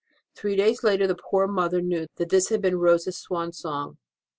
Three days later the poor mother knew that this had been Rose s Swan song.